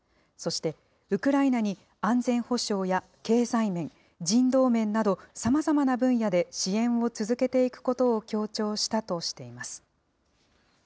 そして、ウクライナに安全保障や経済面、人道面など、さまざまな分野で支援を続けていくことを強調したとしています。